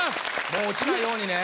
もう落ちないようにね。